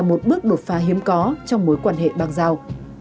là một bước đột phá hiếm có trong mối quan hệ bằng giao